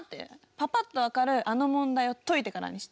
パパっと分かるあの問題を解いてからにして。